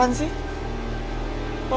tuh sama sidik sama sidar